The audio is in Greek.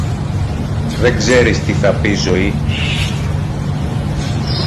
Δεν ξέρεις τι θα πει ζωή